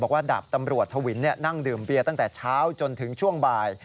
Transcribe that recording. ดาบตำรวจทวินนั่งดื่มเบียร์ตั้งแต่เช้าจนถึงช่วงบ่าย